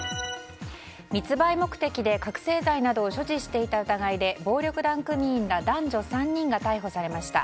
密売目的で覚醒剤などを所持していた疑いで暴力団組員ら男女３人が逮捕されました。